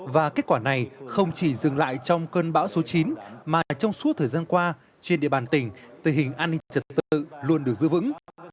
và kết quả này không chỉ dừng lại trong cơn bão số chín mà trong suốt thời gian qua trên địa bàn tỉnh tình hình an ninh trật tự luôn được giữ vững